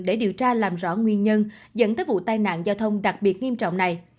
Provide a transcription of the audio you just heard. để điều tra làm rõ nguyên nhân dẫn tới vụ tai nạn giao thông đặc biệt nghiêm trọng này